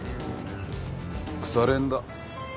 腐れ縁だ。